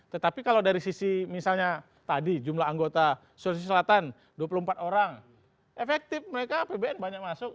tetapi kalau dari sisi misalnya tadi jumlah anggota sulawesi selatan dua puluh empat orang efektif mereka apbn banyak masuk